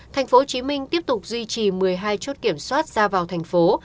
tp hcm tiếp tục duy trì một mươi hai chốt kiểm soát ra vào thành phố